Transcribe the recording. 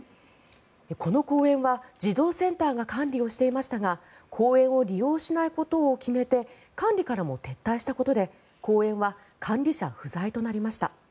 この公園は児童センターが管理をしていましたが公園を利用しないことを決めて管理からも撤退したことで公園は管理者不在となりました。